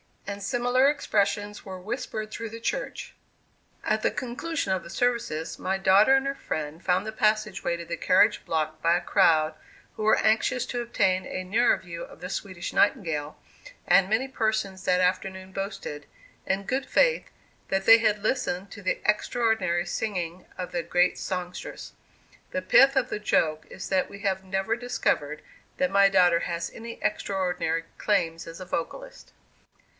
and similar expressions were whispered through the church. At the conclusion of the services, my daughter and her friend found the passage way to their carriage blocked by a crowd who were anxious to obtain a nearer view of the "Swedish Nightingale," and many persons that afternoon boasted, in good faith, that they had listened to the extraordinary singing of the great songstress. The pith of the joke is that we have never discovered that my daughter has any extraordinary claims as a vocalist.